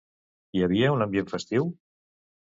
Hi havia un ambient festiu?